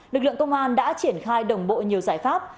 lực lượng công an đã triển khai đồng bộ nhiều giải pháp